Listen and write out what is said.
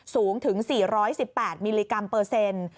สูงถึง๔๑๘มิลลิกรัมเปอร์เซ็นต์